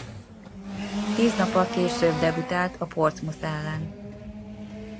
Tíz nappal később debütált a Portsmouth ellen.